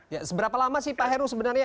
ya seberapa lama sih pak heru sebenarnya